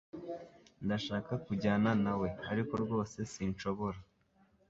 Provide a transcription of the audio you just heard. Ndashaka kujyana nawe ariko rwose sinshobora